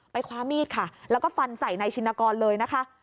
คว้ามีดค่ะแล้วก็ฟันใส่นายชินกรเลยนะคะ